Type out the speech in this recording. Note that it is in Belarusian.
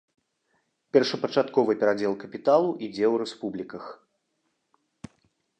Першапачатковы перадзел капіталу ідзе ў рэспубліках.